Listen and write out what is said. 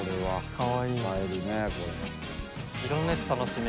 かわいい。